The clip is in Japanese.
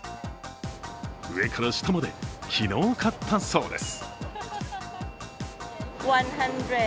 上から下まで、昨日買ったそうです